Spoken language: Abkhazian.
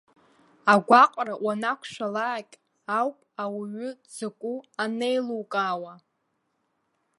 Агәаҟра уанақәшәлак ауп ауаҩы дзакәу анеилукаауа.